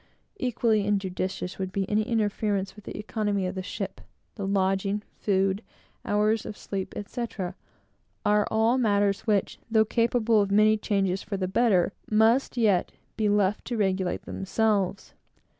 Equally injudicious would be any interference with the economy of the ship. The lodging, food, hours of sleep, etc., are all matters which, though capable of many changes for the better, must yet be left to regulate themselves.